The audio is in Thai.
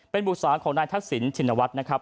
เป็นบุษาของนายทักษิณชินวัฒน์นะครับ